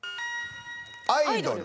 「アイドル」。